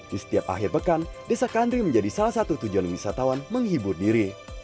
di setiap akhir pekan desa kandri menjadi salah satu tujuan wisatawan menghibur diri